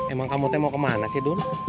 emang kamu tengok kemana sih dul